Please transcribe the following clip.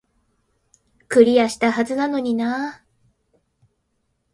クリアしたはずなのになー